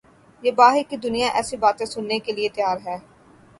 نہ باہر کی دنیا ایسی باتیں سننے کیلئے تیار ہے۔